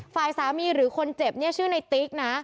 ฝ่ายสามีหรือคนเจ็บเนี่ยชื่อในติ๊กนะ